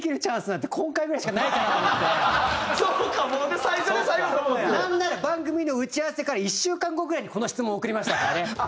なんなら番組の打ち合わせから１週間後ぐらいにこの質問送りましたからね。